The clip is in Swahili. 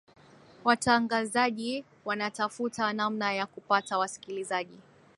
watangazaji wanatafuta namna ya kupata wasikilizaji